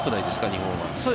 日本は。